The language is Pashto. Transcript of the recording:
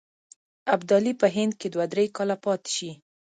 ابدالي په هند کې دوه درې کاله پاته شي.